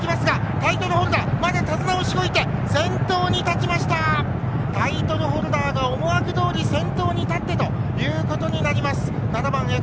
タイトルホルダーが思惑どおり先頭に立ってということになります。